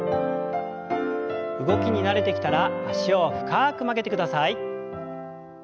動きに慣れてきたら脚を深く曲げてください。